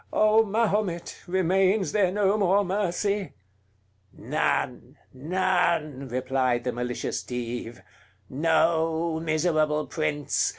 O Mahomet! remains there no more mercy?" "None! none!" replied the malicious Dive, "Know, miserable prince!